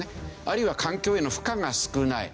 あるいは環境への負荷が少ない。